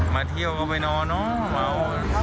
มาเที่ยวเขาไปนอนเนอะ